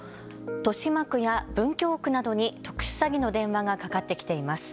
豊島区や文京区などに特殊詐欺の電話がかかってきています。